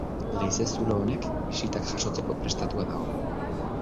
Leize-zulo honek bisitak jasotzeko prestatua dago.